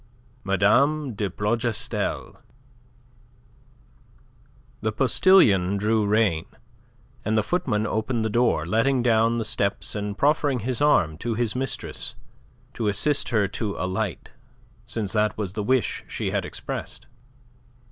MADAME DE PLOUGASTEL The postilion drew rein, and the footman opened the door, letting down the steps and proffering his arm to his mistress to assist her to alight, since that was the wish she had expressed.